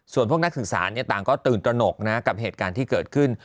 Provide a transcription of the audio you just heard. ส่วนพวกนักศึกษาต่างก็ตื่นตระหนกนะกับเหตุการณ์ที่เกิดขึ้น